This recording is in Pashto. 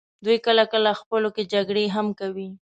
دوی کله کله خپلو کې جګړې هم کوي.